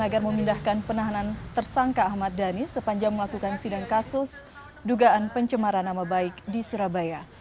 agar memindahkan penahanan tersangka ahmad dhani sepanjang melakukan sidang kasus dugaan pencemaran nama baik di surabaya